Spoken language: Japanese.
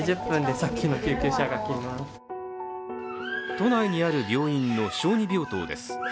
都内にある病院の小児病棟です。